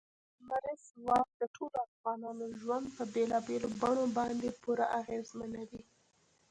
لمریز ځواک د ټولو افغانانو ژوند په بېلابېلو بڼو باندې پوره اغېزمنوي.